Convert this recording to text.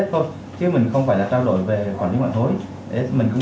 chứ mình không phải là trao đổi về quản lý mạng thối